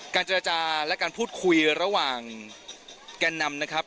เจรจาและการพูดคุยระหว่างแกนนำนะครับ